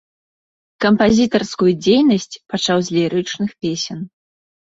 Кампазітарскую дзейнасць пачаў з лірычных песен.